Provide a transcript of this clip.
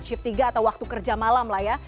shift tiga atau waktu kerja malam lah ya